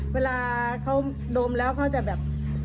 เวลาเขาดมแล้วเขาจะแบบ